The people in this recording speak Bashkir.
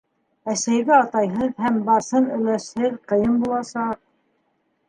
Әсәйгә атайһыҙ һәм Барсын өләсһеҙ ҡыйын буласаҡ.